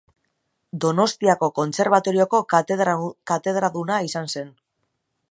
Donostiako Kontserbatorioko katedraduna izan zen.